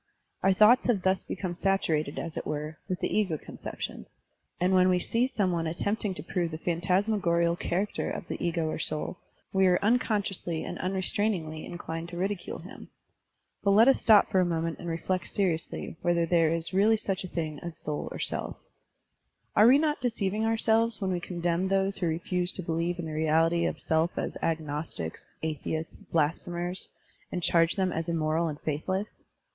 Our thoughts have thus become saturated, as it were, with the ego conception; and when we see some one attempting io prove the phantasmagorial char acter of the ego or soul, we are unconsciously and tmrestrainingly inclined to ridicule him. But let us stop for a moment and reflect seriously Digitized by Google ASSERTIONS AND DENIALS 39. whether there is really such a thing as soul or self. Are we not deceiving ourselves when we condemn those who refuse to believe in the reality of self as agnostics, atheists, blasphemers, and charge them as immoral and faithless?